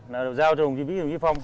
là giao cho đồng chí vĩ đồng chí phong